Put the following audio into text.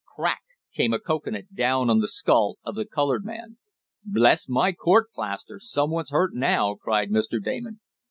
Crack! came a cocoanut down on the skull of the colored man. "Bless my court plaster! Someone's hurt now!" cried Mr. Damon.